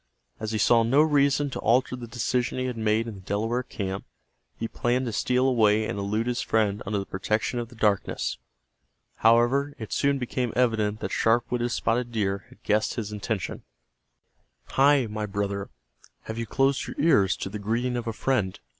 As he saw no reason to alter the decision he had made in the Delaware camp, he planned to steal away and elude his friend under the protection of the darkness. However, it soon became evident that sharp witted Spotted Deer had guessed his intention. "Hi, my brother, have you closed your ears to the greeting of a friend?"